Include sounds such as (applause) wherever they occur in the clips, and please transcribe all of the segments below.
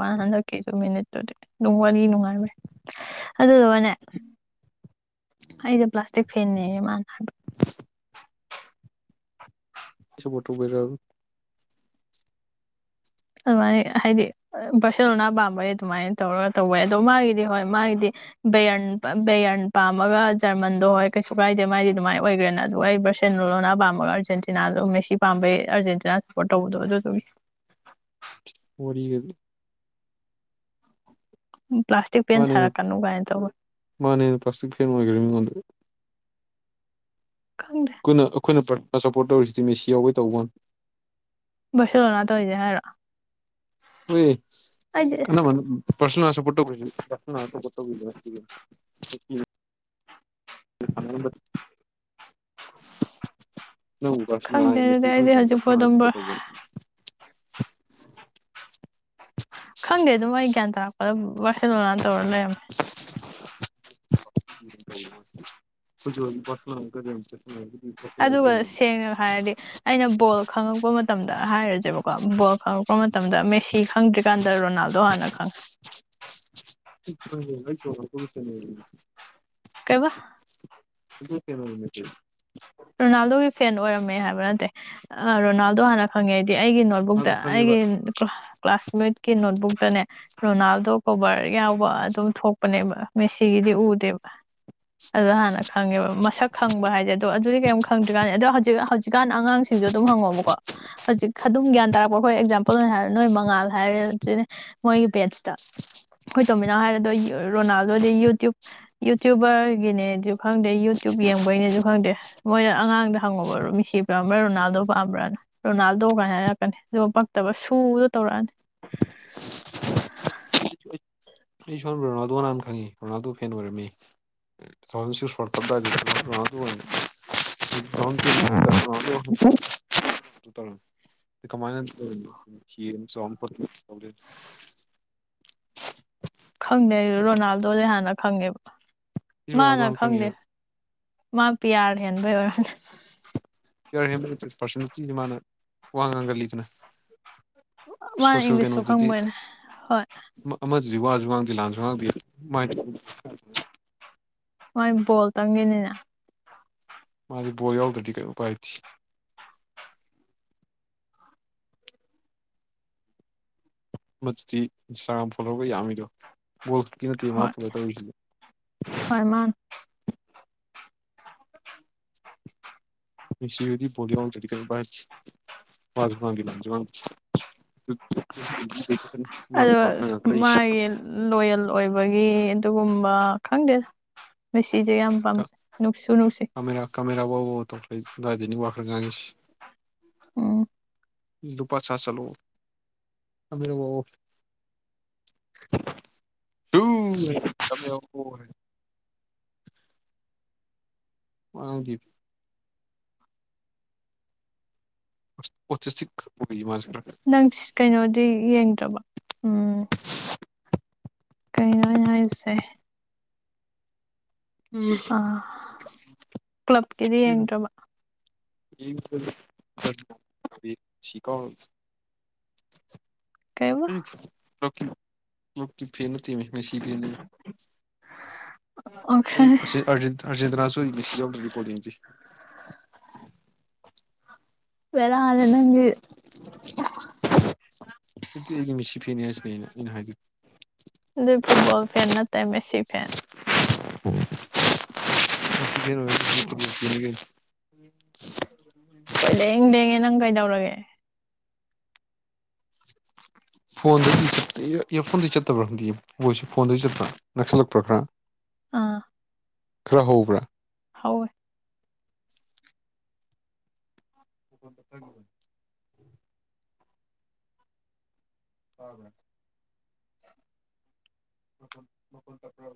ꯋꯥ ꯍꯥꯟ꯭ꯗꯥꯛ ꯀꯦ ꯃꯤꯅꯨꯇꯦꯇꯨꯗꯤ ꯋꯥꯔꯤ ꯅꯨꯡꯉꯥꯏꯕꯩ ꯑꯗꯨꯗꯨꯅꯦ ꯑꯩꯗꯤꯣ ꯄ꯭ꯂꯥꯁꯇꯤꯛ ꯐꯦꯅꯦꯅꯦ ꯃꯥꯅ (unintelligible) ꯇꯧꯕꯩꯔꯦꯜ ꯑꯗꯨꯃꯥꯏꯅ ꯍꯥꯏꯗꯤ ꯄꯔꯁꯟꯣꯅꯥ ꯄꯥꯝꯕꯩ ꯑꯗꯨꯃꯥꯏꯅ ꯇꯧꯔꯒ ꯇꯧꯕꯩ ꯑꯗꯣ ꯃꯥꯒꯤꯗꯤ ꯍꯣꯏ ꯃꯥꯒꯤꯗꯤ ꯕꯦꯌꯟ ꯕꯦꯌꯔꯟ ꯄꯥꯝꯃꯒ ꯖꯔꯃꯟꯗꯣ ꯍꯣꯏ ꯀꯩꯁꯨ ꯀꯥꯏꯗꯦ ꯃꯥꯏꯗꯤ ꯑꯗꯨꯃꯥꯏꯅ ꯑꯣꯏꯈ꯭ꯔꯦꯅ ꯑꯗꯨꯒ ꯁꯦꯟꯔꯣꯂꯣꯅꯥ ꯄꯥꯝꯕꯃꯒ ꯑꯔꯖꯦꯟꯇꯤꯅꯥꯗ ꯃꯦꯁꯤ ꯄꯥꯝꯕꯩ ꯑꯥꯔꯖꯦꯟꯇꯤꯅ ꯁꯞꯄꯣꯔꯠ ꯇꯧꯕꯗꯣ ꯑꯗꯨꯗꯨꯝ ꯑꯣꯔꯤ ꯎ ꯄ꯭ꯂꯥꯁꯇꯤꯛ ꯄꯦꯟ ꯁꯥꯔꯛꯀꯅꯨ ꯀꯥꯏꯅ ꯇꯧꯕ ꯃꯥꯅꯦꯩꯅ ꯄꯁꯁꯤꯤꯛꯈꯤꯕꯦꯅ ꯀꯘꯃꯤꯣ ꯈꯪ꯭ꯗꯦ ꯑꯩꯈꯣꯏꯅ ꯑꯩꯈꯣꯏꯅ ꯄ꯭ꯔꯥꯄꯣꯔꯠ ꯇꯧꯔꯤꯁꯤꯗꯤ ꯃꯦꯁꯤ ꯌꯥꯎꯋꯦ ꯇꯧꯕ ꯁꯔꯣꯅꯥꯇ ꯑꯣꯏꯗꯦ ꯍꯥꯏꯔ ꯍꯣꯏ ꯑꯩꯗꯤ ꯀꯃꯅ ꯄꯁꯅꯁ ꯄꯠꯣꯛ l (inaudible) (inaudible) ꯍꯕ ꯈꯪꯗꯦ ꯑꯗꯨꯗꯤ ꯑꯩꯗꯤ ꯍꯧꯖꯤꯛꯐꯥꯎ ꯑꯗꯨꯝ ꯈꯪꯗꯦ ꯑꯗꯨꯝ ꯑꯩ ꯒ꯭ꯌꯥꯟ ꯇꯥꯔꯛꯄꯗ ꯋꯥꯈꯜꯂꯣꯟꯥꯟ ꯇꯧꯔ ꯂꯩꯔꯝꯃꯦ ꯍꯧ ꯄꯁ ꯀ ꯆ ꯑꯗꯨꯒ ꯁꯦꯡꯅ ꯍꯥꯏꯔꯗꯤ ꯑꯩꯅ ꯕꯣꯜ ꯈꯪꯉꯛꯄ ꯃꯇꯝꯗ ꯍꯥꯏꯔꯁꯦꯕꯀꯣ ꯕꯣꯜ ꯈꯪꯉꯛꯄ ꯃꯇꯝꯗ ꯃꯦꯁꯤ ꯈꯪꯗ꯭ꯔꯤꯀꯥꯟꯗ ꯔꯣꯅꯥꯜꯗꯣ ꯍꯥꯟꯅ ꯈꯪꯉꯦ ꯁꯨ ꯆ ꯀꯩꯕ ꯀ ꯔꯣꯅꯥꯜꯗꯣꯒꯤ ꯐꯦꯟ ꯑꯣꯏꯔꯝꯃꯦ ꯍꯥꯏꯕ ꯅꯠꯇꯦ ꯔꯣꯅꯥꯜꯗꯣ ꯍꯥꯟꯅ ꯈꯪꯉꯦ ꯍꯥꯏꯗꯤ ꯑꯩꯒꯤ ꯕꯨꯛꯇ ꯃꯥꯁꯨ ꯈꯪꯉꯦꯕ ꯑꯩꯒꯤ ꯀ꯭ꯂꯥꯁꯃꯦꯠꯀꯤ ꯅꯣꯠꯕꯨꯛꯇꯅꯦ ꯔꯣꯅꯥꯜꯗꯣ ꯀꯣꯕꯔ ꯌꯥꯎꯕ ꯑꯗꯨꯝ ꯊꯣꯛꯄꯅꯦꯕ ꯃꯦꯁꯤꯒꯤꯗꯤ ꯎꯗꯦꯕ ꯑꯣ ꯍꯥꯟꯅ ꯈꯪꯉꯦꯕ ꯃꯁꯛ ꯈꯪꯕ ꯍꯥꯏꯁꯦ ꯑꯗꯣ ꯑꯗꯨꯗꯤ ꯀꯩꯝ ꯈꯪꯗ꯭ꯔꯤꯀꯥꯟꯅꯤ ꯑꯗꯣ ꯍꯧꯖꯤꯛ ꯍꯧꯖꯤꯛꯀꯥꯟ ꯑꯉꯥꯡꯁꯤꯡꯁꯨ ꯑꯗꯨꯝ ꯍꯪꯉꯣꯕꯀꯣ ꯍꯧꯖꯤꯛ ꯑꯗꯨꯝ ꯒ꯭ꯌꯥꯟ ꯇꯥꯔꯛꯄ ꯑꯩꯈꯣꯏ ꯑꯦꯛꯖꯥꯝꯄꯜ ꯑꯣꯏꯅ ꯍꯥꯏꯔ ꯅꯣꯏ ꯃꯉꯥꯜ ꯍꯥꯏꯔꯁꯤꯅꯦ ꯃꯣꯏꯒꯤ ꯄꯦꯖꯇ ꯑꯩꯈꯣꯏ ꯇꯣꯃꯤꯅꯥ ꯍꯥꯏꯔꯗꯣ ꯔꯣꯅꯥꯜꯗꯣꯗꯤ ꯌꯨꯇ꯭ꯌꯨꯕ ꯌꯨꯇ꯭ꯌꯨꯕꯔꯒꯤꯅꯦꯁꯨ ꯈꯪꯗꯦ ꯌꯨꯇ꯭ꯌꯕ ꯌꯦꯡꯕꯒꯤꯅꯦꯁꯨ ꯈꯪꯗꯦ ꯃꯣꯏꯅ ꯑꯉꯥꯡꯗ ꯍꯪꯉꯨꯕꯣ ꯃꯤꯁꯤ ꯄꯥꯝꯕ꯭ꯔꯥ ꯔꯣꯅꯥꯜꯗꯣ ꯄꯥꯝꯕ꯭ꯔꯥꯅ ꯔꯣꯅꯥꯜꯗꯣ ꯀꯥꯏꯅ ꯍꯥꯏꯔꯛꯀꯅꯤ ꯑꯗꯨꯒ ꯐꯛꯇꯕ ꯁꯨꯗꯣ ꯇꯧꯔꯛꯑꯅꯤ ꯑꯩ ꯁꯣꯝ ꯔꯣꯅꯥꯜꯗꯣ ꯅꯥꯟ ꯈꯪꯉꯤ ꯔꯣꯅꯥꯜꯗꯣ ꯐꯦꯟ ꯑꯣꯏꯔꯝꯃꯤ ꯁꯨꯄ (unintelligible) ꯀꯃꯥꯏꯅ ꯆꯣꯡ ꯈꯪꯗꯦ ꯑꯩ ꯔꯣꯅꯥꯜꯗꯣ ꯂꯩꯦ ꯍꯥꯟꯅ ꯈꯪꯉꯦꯕ ꯃꯥꯅ ꯔꯣꯅꯥꯜꯗꯣꯅ ꯈꯪꯗꯦ ꯈꯪꯉꯦꯕ ꯃꯥ ꯄꯤꯌꯥꯔ ꯍꯦꯟꯕꯩ ꯑꯣꯏꯔꯣꯅꯦ ꯌꯥ ꯍ ꯄꯔꯁ ꯆꯤꯦ ꯃꯥꯅ ꯋꯥ ꯉꯥꯡꯒꯜꯂꯤꯗꯅ ꯃꯥꯅ ꯁꯣꯁꯦꯜ ꯏꯪꯂꯤꯁꯁꯨ ꯀꯩꯅꯣꯗꯗꯤ ꯈꯪꯕꯣꯏꯅꯦ ꯍꯣꯏ ꯑꯃꯗꯨꯗꯤ ꯋꯥꯁꯨ ꯉꯥꯡꯗꯦ ꯂꯥꯟꯁꯨ ꯉꯥꯡꯗꯦꯃꯥꯏꯅ ꯇꯧ ꯃꯣꯏ ꯕꯣꯜ ꯇꯪꯈꯤꯅꯤꯅ ꯃꯥꯗꯤꯦ ꯕꯣ ꯌꯥꯎꯗ꯭ꯔꯗꯤ ꯀꯩꯅꯣ ꯎꯄꯥꯏꯇꯦ ꯃꯗꯨꯗꯤ ꯏꯟꯁꯇꯥꯒ꯭ꯔꯥꯝ ꯐꯣꯂꯣꯧꯕꯒ ꯌꯥꯝꯃꯤꯗꯣ ꯕꯣꯜ ꯈꯨꯛꯀꯤ ꯅꯠꯇꯦ ꯃꯥ ꯐꯣꯂꯣ ꯇꯧꯔꯤꯁꯤꯗꯤ ꯍ ꯃꯥ ꯃꯤꯁꯤ ꯌꯨꯗꯤ ꯣꯂꯤ ꯑꯣꯟꯗꯦꯗꯤꯀꯦꯜꯕ ꯑꯗꯣ ꯃꯥꯒꯤ (unintelligible) ꯂꯣꯌꯦꯜ ꯑꯣꯏꯕꯒꯤ ꯑꯗꯨꯒꯨꯝꯕ ꯈꯪꯗꯦ ꯃꯁꯤꯁꯦ ꯌꯥꯝ ꯄꯥꯝꯖꯩ ꯅꯨꯡꯁꯨ ꯅꯨꯡꯁꯤ ꯀꯥꯃꯦꯔꯥ ꯀꯥꯃꯦꯔꯥ ꯐꯎ ꯕꯕ ꯇꯧꯈ꯭ꯔꯦ ꯗꯥꯥꯔꯖꯅꯤꯡ ꯋꯥꯈ꯭ꯔ ꯉꯥꯡꯉꯤꯁꯤ ꯎꯝ (unintelligible) (unintelligible) (inaudible) ꯋꯥꯥꯡꯗꯤ꯫ ꯑꯣ ꯎꯆ ꯁꯛ ꯄꯨ ꯃꯥꯖ ꯈꯔ (unintelligible) ꯅꯪ ꯀꯩꯅꯣꯗꯤ ꯌꯦꯡꯗ꯭ꯔꯕꯣ ꯎꯝ꯫ ꯀꯩꯅꯣ ꯑꯩꯅ ꯍꯥꯏꯔꯤꯁꯦ꯫ ꯑꯥ ꯀ꯭ꯂꯕꯀꯤꯗꯤ ꯌꯦꯡꯗ꯭ꯔꯕ꯫ ꯌꯦꯡꯗꯔꯤ (unintelligible) ꯀꯩꯕ ꯂ (unintelligible) ꯀꯂꯞꯀꯤ ꯐꯦꯟ ꯅꯠꯇꯦꯃꯦ ꯃꯦꯁꯤ ꯐꯦꯟ ꯑꯣꯀꯦ ꯑꯩꯪ ꯑꯁꯤ꯫ ꯑꯔꯖꯦꯟꯇ ꯑꯔꯖꯦꯟꯇꯤꯅꯁꯨꯣꯏ ꯑꯩ ꯃꯤꯁꯁꯤ ꯌꯥꯎꯗꯧꯔꯤ ꯕꯣꯜ ꯌꯦꯡꯗꯦ꯫ ꯕꯦꯔꯦꯅꯦ ꯅꯪꯒꯤ꯫ ꯑꯗꯨꯗꯤ ꯑꯩꯗꯤꯃꯤꯁꯤ ꯐꯦꯅꯦ ꯍꯥꯏꯁꯤꯅꯦ ꯑꯩꯅ ꯍꯥꯏꯗꯨꯗꯤ꯫ ꯑꯗꯨ ꯐꯨꯠꯕꯣꯜ ꯐꯦꯟ ꯅꯠꯇ꯭ꯔꯦ ꯃꯦꯁꯤ ꯐꯦꯟ꯫ (inaudible) ꯎꯝ (inaudible) ꯀꯣꯏ ꯂꯦꯡ ꯂꯦꯡꯉꯦ ꯅꯪ ꯀꯩꯗꯧꯔꯒꯦ꯫ (unintelligible) (unintelligible) ꯐꯣꯟꯗꯒꯤ ꯏꯌꯥꯔ ꯐꯣꯟꯗꯒꯤ ꯆꯠꯇꯕ꯭ꯔꯥ ꯍꯥꯏꯗꯤ ꯃꯣꯏꯁꯨ ꯐꯣꯟꯗꯗꯒꯤ ꯆꯠꯄ꯭ꯔꯥ ꯅꯛꯁꯤꯜꯂꯛꯄ꯭ꯔꯥ ꯈꯔ꯫ ꯑꯥ꯫ ꯈꯔꯥ ꯍꯧꯕ꯭ꯔꯥ꯫ ꯍꯧꯏ꯫ (unintelligible) ꯇꯞꯊꯒꯤꯕꯅꯤ꯫ ꯇꯕ꯭ꯔꯥ꯫ ꯃꯈꯣꯜ ꯇꯞꯄ꯭ꯔꯣ꯫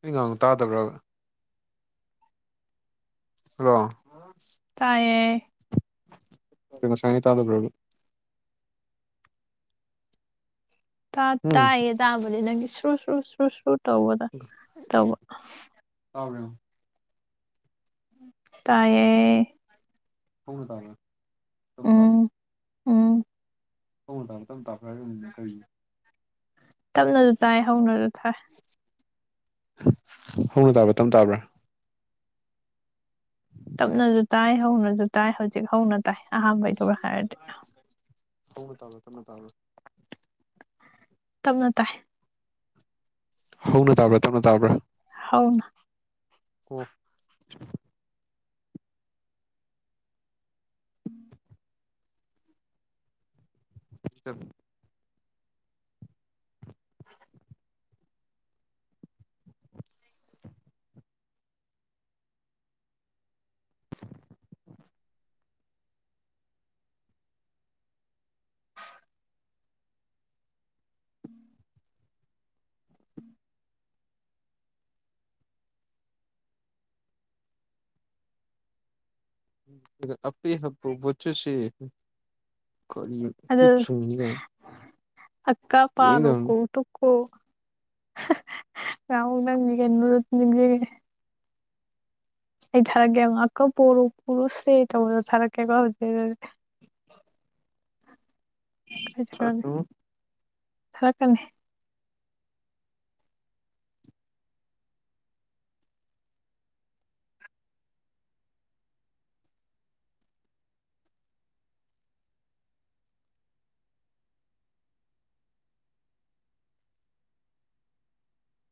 ꯑꯩ ꯉꯥꯡꯕ ꯇꯥꯗꯕ꯭ꯔꯥꯕ꯫ ꯍꯂꯣ꯫ ꯑꯥ꯫ ꯇꯥꯏꯌꯦ꯫ ꯉꯁꯥꯉꯩ ꯇꯥꯗꯕꯔ ꯕ꯫ ꯇ ꯎꯝ ꯇꯥꯏꯌꯦ ꯇꯕꯗꯤ ꯁ꯭ꯔꯨ ꯁꯨ ꯁ꯭ꯔꯨ ꯁꯨꯠ꯫ ꯇ꯭ꯔꯕ ꯌꯦꯡꯎ꯫ ꯎꯝ꯫ ꯇꯥꯢꯌꯦ꯫ ꯍꯧꯅ ꯇꯕ꯭ꯔ ꯇꯞꯅ ꯇꯕ꯭ꯔ ꯫ ꯎꯝ ꯎꯝ꯫ ꯇꯨ ꯇꯥꯔ ꯇꯝ ꯇꯥꯈ꯭ꯔꯝ ꯀꯔꯤ (unintelligible) ꯇꯞꯅꯁꯨ ꯇꯥꯏ ꯍꯧꯅꯁꯨ ꯊꯥꯏ꯫ ꯍꯧꯅ ꯇꯥꯕ꯭ꯔꯥ ꯇꯞꯅ ꯇꯥꯕ꯭ꯔꯥ꯫ (unintelligible) ꯇꯞꯅꯁꯨ ꯇꯥꯏ ꯍꯧꯅꯁꯨ ꯇꯥꯏ ꯍꯧꯖꯤꯛ ꯍꯧꯅ ꯇꯥꯏ ꯑꯍꯥꯟꯕꯩꯗꯨꯒ ꯍꯥꯏꯔꯗꯤ꯫ ꯍꯧꯅ ꯇꯕ꯭ꯔ ꯇꯞꯅ ꯇꯕ꯭ꯔ꯫ ꯇꯞꯅ ꯇꯥꯏ꯫ ꯍꯧꯅ ꯇꯥꯕ꯭ꯔꯥ ꯇꯞꯅ ꯇꯥꯕ꯭ꯔꯥ꯫ ꯍꯧꯎꯅ꯫ ꯑꯣ꯫ (unintelligible) ꯆꯞ꯫ (unintelligible) ꯀꯔꯤꯅꯣ ꯀꯤꯠ ꯑꯗꯨ ꯁꯨꯡꯢꯅꯤꯒꯩꯅ꯫ ꯑꯀꯥ ꯄꯥ ꯅ ꯀꯣ ꯇꯣ꯫ ꯀꯣ ꯉ ꯅꯪꯒ ꯅꯤꯡꯁꯤꯦ ꯑꯩ ꯊꯥꯔꯛꯀꯦ ꯉꯍꯥꯛꯀ ꯄꯨꯔꯨꯁꯦ ꯇꯧꯕꯗꯣ ꯊꯥꯔꯛꯀꯦꯀꯣ ꯍꯧꯖꯤꯛ ꯌꯦꯡꯗꯕꯅꯤ ꯊꯥꯔꯛꯀꯅꯤ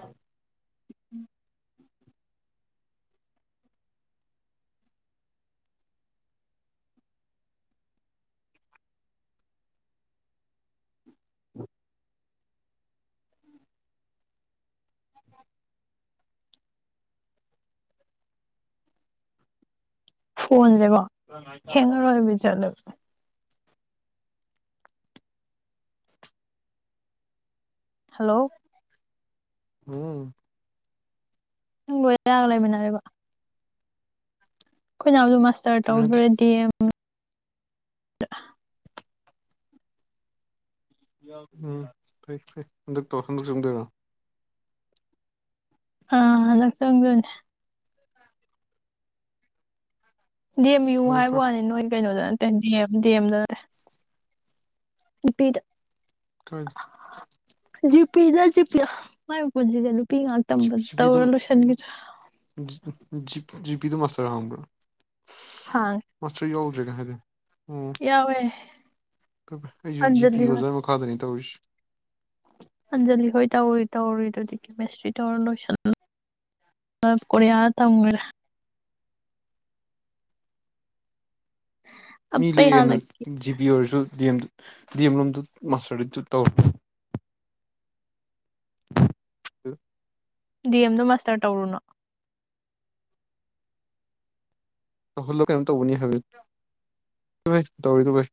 ꯑ ꯎꯝ ꯐꯣꯟꯁꯦꯕꯣ ꯈꯦꯡꯉꯔꯣꯏꯕꯤ ꯆꯠꯂ ꯍꯜꯂꯣ ꯎꯝ ꯂꯣꯏꯔꯒ ꯂꯩꯃꯤꯟꯅꯔꯦꯕ ꯑꯩꯈꯣꯏꯅꯅꯥꯎꯗ ꯃꯥꯁꯇꯔ ꯇꯤꯕꯤ ꯅꯠꯇꯦ ꯇꯧꯗꯨꯔꯦꯗꯤ ꯑꯦꯝ ꯑ ꯎꯝ ꯐꯩ ꯐꯩ ꯍꯟꯗꯛꯇ ꯇꯧꯔꯣ ꯍꯟꯗꯛ ꯆꯪꯗꯣꯏꯔꯣ ꯑ ꯂꯛꯁꯪꯗꯅꯦ ꯗꯤ ꯑꯦꯝ ꯌꯨ ꯐꯔꯦ ꯍꯥꯏꯕ ꯐꯔꯦ ꯋꯥꯅꯤ ꯅꯣꯏ ꯀꯩꯅꯣꯗꯅ ꯗꯤꯦꯝ ꯗꯤꯑꯦꯝꯗꯗ ꯍꯣꯏ ꯖꯤꯄꯤꯖ ꯖꯤꯄꯤꯂ ꯃꯥꯏ ꯄꯨꯟꯁꯤꯁꯦ ꯅꯨꯄꯤ ꯉꯍꯥꯛꯇꯝꯕ ꯇꯧꯔ ꯂꯣꯏꯁꯤꯟꯈꯤꯗ꯭ꯔꯥ ꯖꯤ ꯄꯤ ꯇ ꯃꯥꯁꯇꯔ ꯑꯍꯝꯒꯣ ꯍꯥꯡꯉꯦ ꯃꯁ ꯌꯥꯎꯗ꯭ꯔꯦꯒ ꯍꯥꯏꯗꯤ ꯎꯝ ꯀꯌꯥꯋꯦ ꯑꯩꯁꯨ ꯖꯤꯄꯤꯤ ꯑꯣꯖꯥ ꯃꯈꯥꯗꯅꯤ ꯇꯧꯔꯤꯁꯤ ꯑꯟꯖꯂꯤ ꯍꯣꯏ ꯇꯧꯔꯤ ꯇꯧꯔꯤꯗꯨꯗꯤ ꯀꯦꯃꯦꯁꯇ꯭ꯔꯤ ꯇꯧꯔ ꯂꯣꯏꯁꯟ ꯀꯔꯌꯥ ꯇꯧ ꯃꯤ ꯑꯄꯩ ꯂꯦꯛꯑꯦꯅ ꯍꯥꯜꯂꯛꯀꯦ ꯖꯤ ꯄꯤ ꯑꯣꯏꯔꯁꯨ ꯗꯤ ꯑꯦꯝ ꯗꯤ ꯑꯦꯝ ꯂꯣꯝꯗ ꯃꯥꯁꯇꯔꯗ ꯇꯧꯔꯦ ꯍ ꯗꯤ ꯑꯦꯝꯗꯣ ꯃꯥꯁꯇꯔ ꯇꯧꯔꯨꯅꯣ ꯍꯜꯂ ꯀꯩꯅꯣ ꯇꯧꯕꯅꯤ ꯍꯥꯏ ꯇꯧꯔꯤꯗꯨꯥꯏ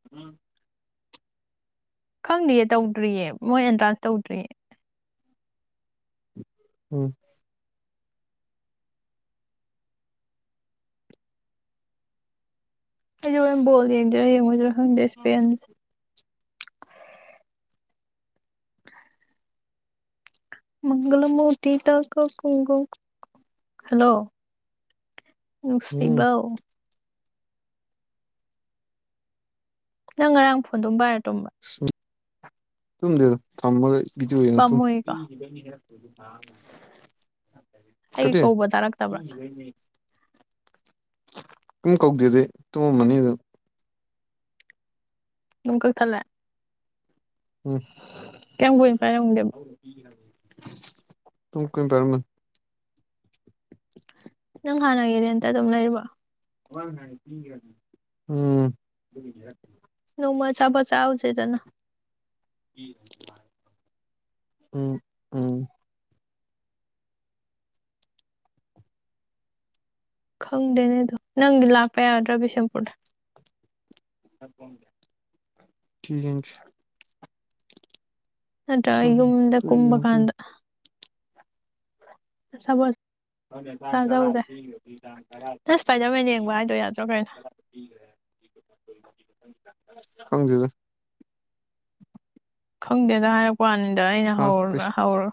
ꯈꯪꯗ꯭ꯔꯤꯌꯦ ꯇꯧꯗ꯭ꯔꯤꯌꯦ ꯃꯣꯏ ꯑꯦꯟꯗ꯭ꯔꯥꯟꯁ ꯇꯧꯗ꯭ꯔꯤꯌꯦ ꯎꯝ ꯑꯩꯝꯣꯜꯉꯦꯁꯄꯤꯦꯟꯁ (unintelligible) ꯃꯒꯂ ꯃꯨꯇꯤꯇ ꯀꯣ ꯍꯂꯣ ꯎꯝ ꯅꯨꯡꯁꯤꯕꯎ ꯅꯪ ꯉꯔꯥꯡ ꯐꯣꯟꯗꯝ ꯄꯥꯏꯔ ꯇꯣꯕ ꯇꯨꯝꯗꯦꯗ ꯊꯝꯃꯒ ꯕꯤꯗꯤꯑꯣꯅꯨꯝ ꯄꯥꯝꯃꯨꯏꯀꯣ ꯑꯩꯒꯤ ꯀꯇ ꯀꯧꯕ ꯇꯥꯔꯛꯇꯕ꯭ꯔꯥ ꯍꯗꯦ ꯇꯨꯃ ꯃꯅꯤ ꯑꯗꯨ ꯅꯣꯡ ꯀ ꯊꯜꯂꯦ ꯎꯝ ꯀꯃ ꯣꯅ ꯄꯥꯏꯔ ꯇꯨꯡ ꯀꯝ ꯄꯔꯝꯅ ꯅꯪ ꯍꯥꯟꯒꯦꯔ ꯑꯇ ꯇꯝꯅ ꯏꯔꯤꯕ ꯋꯥ ꯅꯣꯡ ꯃ ꯆꯥꯕꯁꯥꯎꯖꯦꯗꯅ ꯎꯝ ꯎꯝ ꯈꯪꯗꯦꯅꯦ ꯑꯗꯣ ꯅꯪꯗꯤ ꯂꯥꯛꯄ ꯌꯥꯒꯗ꯭ꯔꯥ ꯕꯤꯁꯦꯝꯄꯨꯔꯗ ꯀ ꯅꯠꯇ꯭ꯔ ꯏ ꯌꯗ ꯀꯔꯤ ꯀꯨꯝꯕ ꯌꯦꯡꯉꯨꯗꯣꯏꯅꯣ ꯀꯥꯟꯗ ꯁ ꯇꯥꯡ ꯇꯋꯥꯔ ꯄꯤꯔ ꯇꯋꯥ ꯅꯪ ꯏꯁꯄꯥꯏꯗꯔꯃꯦꯟ ꯌꯦꯡꯕ ꯍꯥꯏꯗꯣ ꯌꯥꯗ꯭ꯔꯣ ꯀꯩꯅꯣ ꯄꯤ ꯍꯪꯖꯗ ꯈꯪꯗꯦꯗ ꯍꯥꯏꯔꯛꯄ ꯋꯥꯅꯤꯗ ꯑꯩꯅ ꯄꯩꯁꯥ ꯍꯧꯔ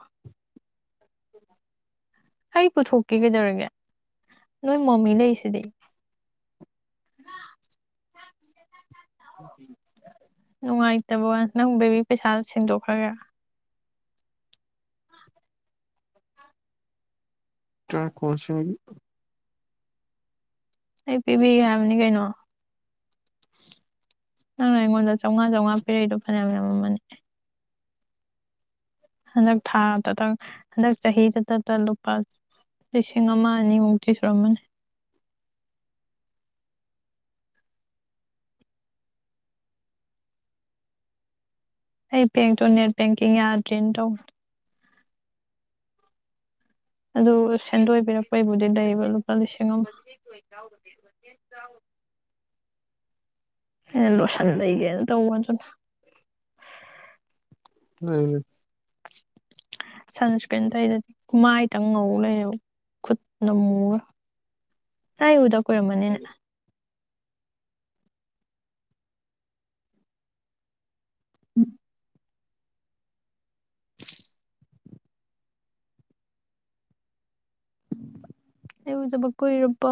ꯑꯩ ꯄꯨꯊꯣꯛꯀꯦ ꯀꯩꯗꯧꯔꯒꯦ ꯅꯣꯏ ꯃꯃꯤ ꯂꯩꯁꯤꯗꯤ (unintelligible) ꯅꯨꯡꯉꯥꯏꯇꯕꯣ ꯅꯪ ꯕꯦꯕꯤ ꯄꯩꯁꯥ ꯁꯦꯡꯗꯣꯛꯈ꯭ꯔꯒꯦꯔꯥ ꯀꯌꯥ ꯀꯣꯁ ꯑꯩ ꯄꯤꯕꯤꯒꯦ ꯍꯥꯏꯕꯅꯤ ꯀꯩꯅꯣ ꯅꯪꯅ ꯑꯩꯉꯣꯟꯗ ꯆꯝꯉꯥ ꯆꯝꯉꯥꯤꯔꯛꯏꯗ ꯐꯅꯌꯥꯝꯅꯌꯥꯝꯃꯅꯤ ꯍꯟꯗꯛ ꯊꯥꯗꯇꯪ ꯍꯟꯗꯛ ꯆꯍꯤꯗꯇꯇ ꯂꯨꯄꯥ ꯂꯤꯁꯤꯡ ꯑꯃ ꯑꯅꯤꯃꯨꯛꯇꯤ ꯁꯨꯔꯝꯃꯅꯤ ꯑꯩ ꯕꯦꯡꯇꯣ ꯅꯦꯠ ꯕꯦꯡꯀꯤꯡ ꯌꯥꯗ꯭ꯔꯦꯅ ꯇꯧꯕ ꯑꯗꯨ ꯁꯦꯟꯗꯣꯏꯕꯤꯔꯛꯄꯩꯕꯨꯗꯤ ꯂꯩꯕ ꯂꯨꯄꯥ ꯂꯤꯁꯤꯡ ꯑꯃ (unintelligible) ꯍ ꯂꯣꯁꯟ ꯂꯩꯒꯦꯅ ꯇꯧꯕꯁꯨ ꯎꯝ ꯁꯟꯁꯀ꯭ꯔꯤꯟ ꯇꯩꯗꯗꯤꯃꯥꯏꯇꯪ ꯉꯧ ꯂꯩꯌꯦꯦꯕ ꯈꯨꯠꯅ ꯃꯨꯔ ꯍꯥꯏ ꯎꯗ ꯀꯣꯏꯃꯅꯤꯅ ꯎꯝ ꯏꯕꯨꯗꯕꯛ ꯀꯣꯏꯔꯔꯕ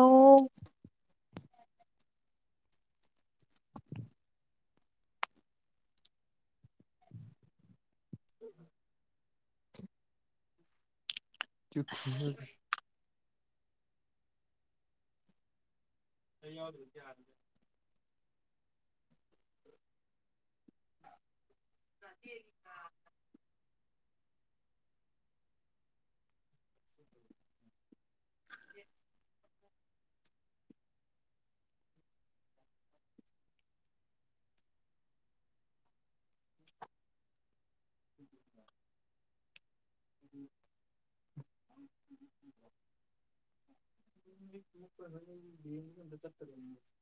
ꯎꯝ ꯇꯨ ꯑꯁ ꯊꯨꯡꯍꯣꯏꯕ ꯀ ꯑꯣ ꯀꯌꯥꯔꯗꯦ (inaudible) (inaudible) (unintelligible) ꯎꯝ ꯎꯝ (unintelligible)